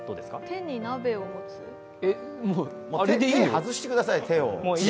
手を外してください。